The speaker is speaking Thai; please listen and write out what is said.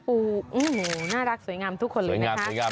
โอ้โหน่ารักสวยงามทุกคนเลยนะคะ